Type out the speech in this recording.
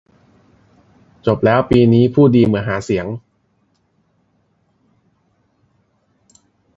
จบแล้ว ปีนี้พูดดีเหมือนหาเสียง